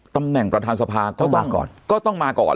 ตำแหน่งประทานสภาก็ต้องมาก่อน